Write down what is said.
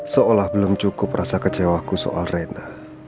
seolah belum cukup rasa kecewaku soal rena